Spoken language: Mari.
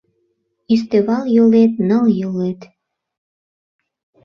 Ӱстевал йолет — ныл йолет